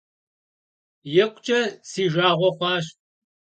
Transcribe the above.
Yikhuç'e si jjağue xhuaş.